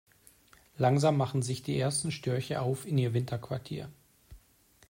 Langsam machen sich die ersten Störche auf in ihr Winterquartier.